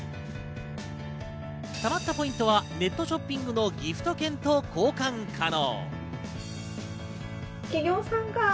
貯まったポイントはネットショッピングのギフト券と交換可能。